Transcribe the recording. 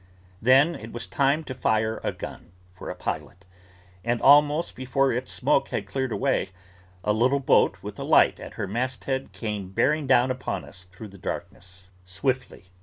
Then, it was time to fire a gun, for a pilot; and almost before its smoke had cleared away, a little boat with a light at her masthead came bearing down upon us, through the darkness, swiftly.